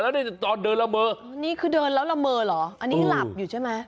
แล้วเนี่ยตอนเดินละเมอนี่คือเดินแล้วละเมอเหรออันนี้หลับอยู่ใช่ไหม